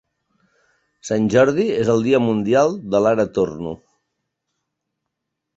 Sant Jordi és el dia mundial de l'ara torno.